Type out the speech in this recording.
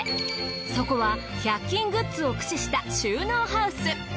そこは１００均グッズを駆使した収納ハウス。